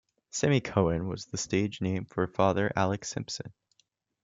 Sammy Cohen was the stage name for father Alec Simpson.